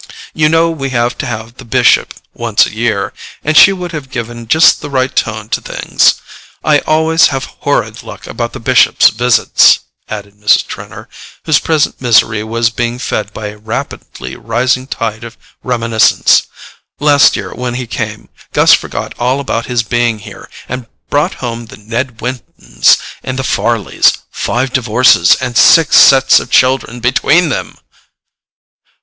You know we have to have the Bishop once a year, and she would have given just the right tone to things. I always have horrid luck about the Bishop's visits," added Mrs. Trenor, whose present misery was being fed by a rapidly rising tide of reminiscence; "last year, when he came, Gus forgot all about his being here, and brought home the Ned Wintons and the Farleys—five divorces and six sets of children between them!"